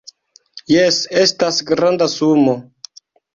Jes, estas granda sumo